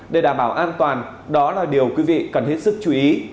để đảm bảo an toàn đó là điều quý vị cần hết sức chú ý